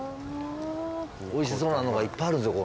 おいしそうなのがいっぱいあるんすよ